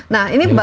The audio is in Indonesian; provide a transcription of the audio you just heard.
nah ini bagi